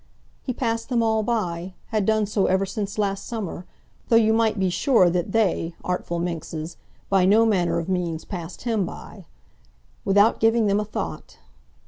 He passed them all by, had done so ever since last summer, though you might be sure that they, artful minxes, by no manner of means passed him by,—without giving them a thought!